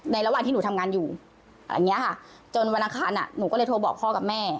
ในระหว่างที่หนูทำงานอยู่จนวันอาคารหนูก็เลยโทรบอกพ่อกับแม่